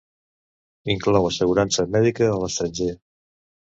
Inclou assegurança mèdica a l'estranger.